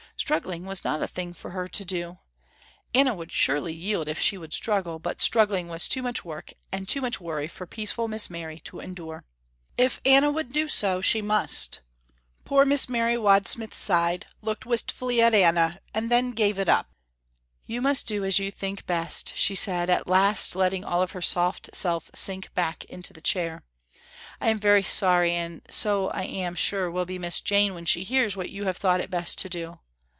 Struggling was not a thing for her to do. Anna would surely yield if she would struggle, but struggling was too much work and too much worry for peaceful Miss Mary to endure. If Anna would do so she must. Poor Miss Mary Wadsmith sighed, looked wistfully at Anna and then gave it up. "You must do as you think best Anna," she said at last letting all of her soft self sink back into the chair. "I am very sorry and so I am sure will be Miss Jane when she hears what you have thought it best to do.